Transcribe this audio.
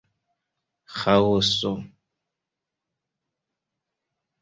Ĥaoso.